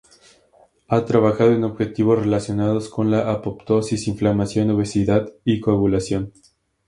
Ha trabajado en objetivos relacionados con la apoptosis, inflamación, obesidad y coagulación.